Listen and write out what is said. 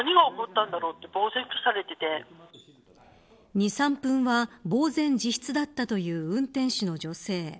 ２、３分は、ぼう然自失だったという運転手の女性。